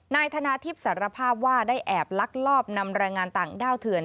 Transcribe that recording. นายธนาทิพย์สารภาพว่าได้แอบลักลอบนำแรงงานต่างด้าวเถื่อน